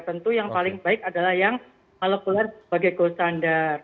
tentu yang paling baik adalah yang molekuler sebagai gol standar